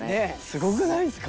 すごくないですか？